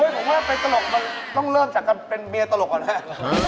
ผมว่าไปตลกมันต้องเริ่มจากการเป็นเมียตลกก่อนแล้ว